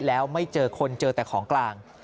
แล้วไม่เจอคนเจอแต่ของกลาง